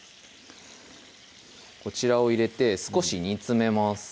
こちらを入れて少し煮詰めます